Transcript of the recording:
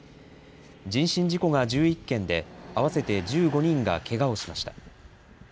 人身事故が１１件で、合わせて１５人がけがをしました。